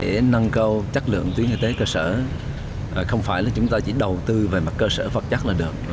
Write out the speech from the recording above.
để nâng cao chất lượng tuyến y tế cơ sở không phải là chúng ta chỉ đầu tư về mặt cơ sở vật chất là được